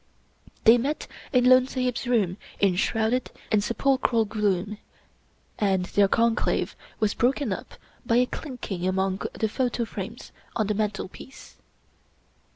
They met in Lone Sahib's room in shrouded and sepulchral gloom, and their conclave was broken up by a clinking among the photo frames on the mantelpiece.